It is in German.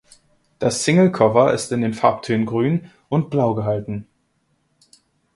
Das Singlecover ist in den Farbtönen Grün und Blau gehalten.